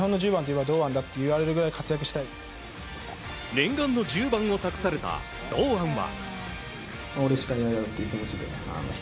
念願の１０番を託された堂安は。